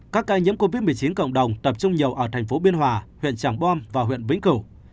các ca nhiễm covid một mươi chín cộng đồng tập trung nhiều ở thành phố biên hòa huyện tràng bom và huyện vĩnh cửu